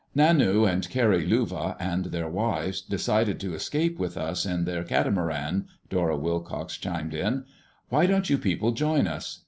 "Nanu and Kari Luva and their wives decided to escape with us in their catamaran," Dora Wilcox chimed in. "Why don't you people join us?